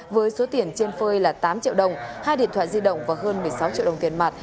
với số tiền trên phơi là tám triệu đồng hai điện thoại di động và hơn một mươi sáu triệu đồng tiền mặt